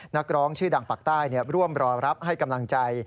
นักร้องชื่อดังปากใต้ร่วมรอรับให้กำลังใจ